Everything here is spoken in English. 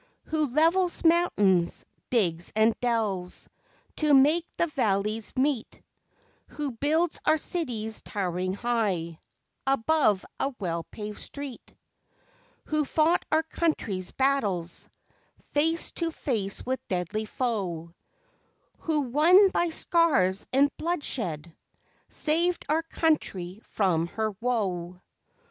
Who levels mountains, digs and delves To make the valleys meet, Who builds our cities towering high Above a well paved street ? Who fought our country's battles, Face to face with deadly foe, Who won by scars and bloodshed, Saved our country from her woe?